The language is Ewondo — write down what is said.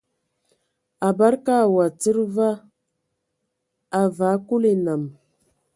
A bade ka we tsid fa, a vaa Kulu enam.